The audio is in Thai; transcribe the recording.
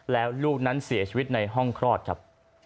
แล้วลูกนั้นเสียชีวิตในห้องคลอดครับ